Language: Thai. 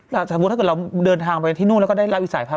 สมมุติถ้าเกิดเราเดินทางไปที่นู่นแล้วก็ได้รับอีกสายพันธ